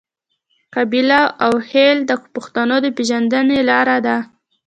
قبیله او خیل د پښتنو د پیژندنې لار ده.